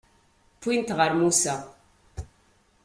Wwin-t ɣer Musa.